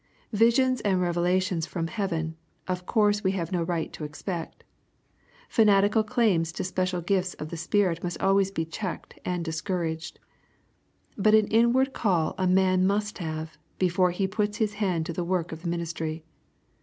Visions and revelations from heaven, of course we have no right to expect. Fanatical claims to special gifts of the Spirit must always be checked and discouraged. Bat an inward call a man must have, before he pits his hand to the work of the ministry.